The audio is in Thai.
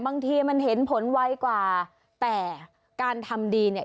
บางทีมันเห็นผลไวกว่าแต่การทำดีเนี่ย